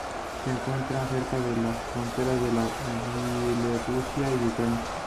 Se encuentra cerca de las frontera con Bielorrusia y Ucrania.